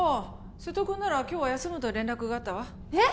瀬戸君なら今日は休むと連絡があったわえっ？